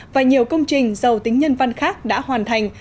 và nhiều công trình giàu tính nhân văn khác đã hoàn thành